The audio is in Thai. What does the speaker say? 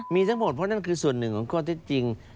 มีทั้งหมดเพราะนั่นคือส่วนหนึ่งของข้อเท็จจริง